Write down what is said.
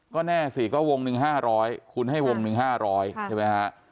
ก็แน่สิก็วงหนึ่งห้าร้อยคูณให้วงหนึ่งห้าร้อยใช่ไหมฮะ